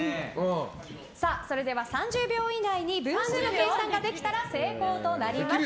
それでは、３０秒以内に分数の計算ができたら成功となります。